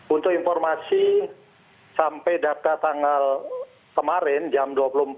untuk informasi sampai data tanggal kemarin jam dua puluh empat